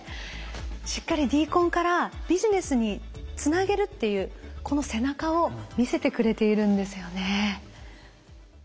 しっかりＤＣＯＮからビジネスにつなげるっていうこの背中を見せてくれているんですよね。